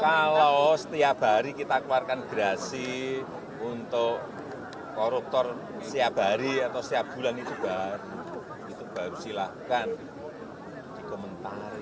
kalau setiap hari kita keluarkan gerasi untuk koruptor setiap hari atau setiap bulan itu baru itu baru silahkan dikomentari